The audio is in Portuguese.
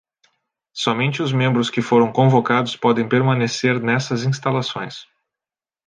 Somente os membros que foram convocados podem permanecer nessas instalações.